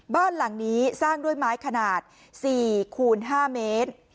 บ้านหลังนี้สร้างด้วยไม้ขนาด๔คูณ๕เมตร